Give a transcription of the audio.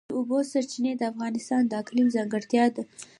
د اوبو سرچینې د افغانستان د اقلیم ځانګړتیا ده.